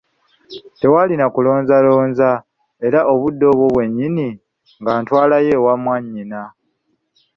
Tewaali na kulonzalonza era obudde obwo bwennyini ng'antwalayo ewa mwannyina.